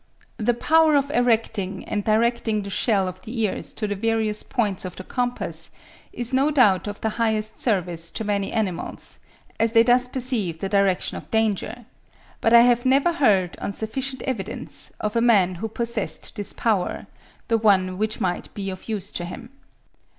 The power of erecting and directing the shell of the ears to the various points of the compass, is no doubt of the highest service to many animals, as they thus perceive the direction of danger; but I have never heard, on sufficient evidence, of a man who possessed this power, the one which might be of use to him.